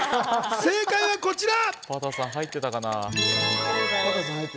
正解はこちら。